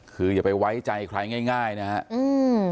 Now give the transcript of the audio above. คืออย่าไปไว้ใจใครง่ายง่ายนะครับ